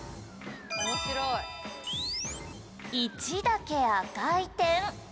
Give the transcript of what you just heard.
「１だけ赤い点」